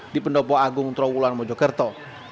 di pendopo agung trawulan mojokerto